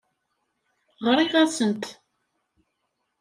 Ɣriɣ-asent.